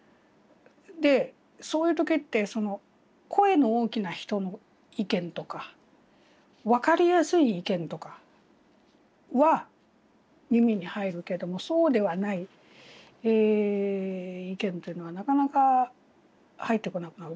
でそういう時って声の大きな人の意見とか分かりやすい意見とかは耳に入るけどもそうではない意見というのはなかなか入ってこなくなる。